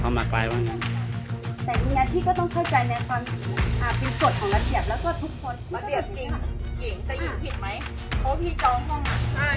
เขาบอกว่าเรามาส่งสีลงได้นะค่ะ